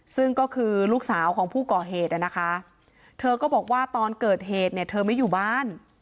ซึ่งก็คือลูกสาวของผู้ก่อเหตุนะคะเธอก็บอกว่าตอนเกิดเหตุเนี่ยเธอไม่อยู่บ้าน